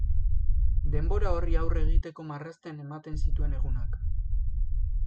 Denbora horri aurre egiteko marrazten ematen zituen egunak.